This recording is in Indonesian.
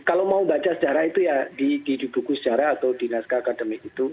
kalau mau baca sejarah itu ya di buku sejarah atau di naskah akademik itu